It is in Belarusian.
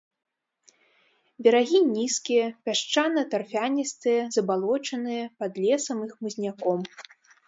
Берагі нізкія, пясчана-тарфяністыя, забалочаныя, пад лесам і хмызняком.